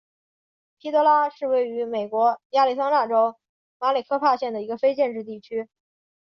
皮德拉是位于美国亚利桑那州马里科帕县的一个非建制地区。